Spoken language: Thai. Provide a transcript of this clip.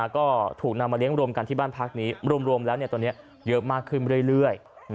ก็ถูกนำมาเลี้ยงรวมกันที่บ้านพักนี้รวมแล้วตอนนี้เยอะมากขึ้นเรื่อย